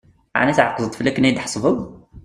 Ɛni tεeqdeḍ-t fell-i akken ad yi-d-tḥesbeḍ?